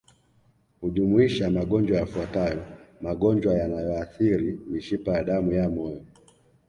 Hujumuisha magonjwa yafuatayo magonjwa yanayoathiri mishipa ya damu ya moyo